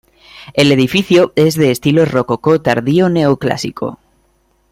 El edificio es de estilo rococó tardío neoclásico.